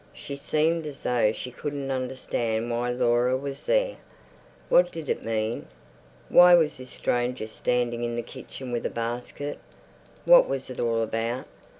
She seemed as though she couldn't understand why Laura was there. What did it mean? Why was this stranger standing in the kitchen with a basket? What was it all about?